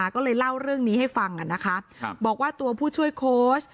ก็เลยเล่าเรื่องนี้ให้ฟังนะคะบอกว่าตัวผู้ช่วยโค้ช